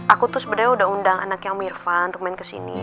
aku tuh sebenernya udah undang anaknya mirvan untuk main kesini